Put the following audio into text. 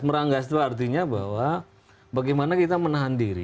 meranggas itu artinya bahwa bagaimana kita menahan diri